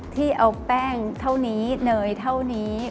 ที่เอาแป้งเท่านี้เนยเท่านี้